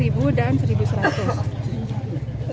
itu dasar pengosongan kita